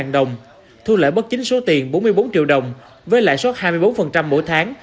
sáu trăm bốn mươi đồng thu lợi bất chính số tiền bốn mươi bốn triệu đồng với lãi suất hai mươi bốn mỗi tháng